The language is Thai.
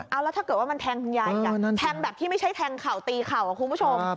เอาแล้วถ้าเกิดว่ามันแทงคุณยายอีกแทงแบบที่ไม่ใช่แทงเข่าตีเข่าคุณผู้ชม